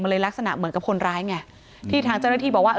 เลยลักษณะเหมือนกับคนร้ายไงที่ทางเจ้าหน้าที่บอกว่า